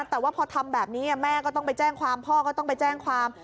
แต่ว่าพอทำแบบนี้แม่ก็ต้องไปแจ้งความพ่อก็ต้องไปแจ้งความ